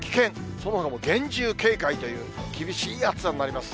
そのほかも厳重警戒という、厳しい暑さになります。